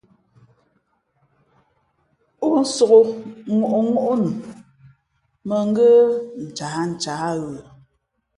Ǒ nsōk ŋôʼŋó nu, mᾱ ngə́ ncahncǎh ghə̌.